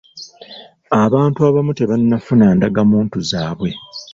Abantu abamu tebannafuna ndagamuntu zaabwe.